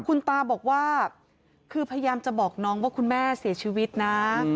คุณตาบอกว่าคือพยายามจะบอกน้องว่าคุณแม่เสียชีวิตนะ